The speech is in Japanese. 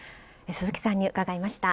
鈴木さんに伺いました